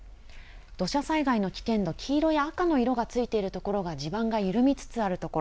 土砂災害の危険度、黄色や赤の色がついている所が地盤が緩みつつある所。